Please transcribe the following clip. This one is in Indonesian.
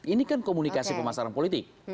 ini kan komunikasi pemasaran politik